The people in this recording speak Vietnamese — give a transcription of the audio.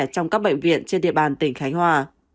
trong các bệnh viện trên địa bàn tỉnh khánh hòa